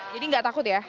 jadi enggak takut ya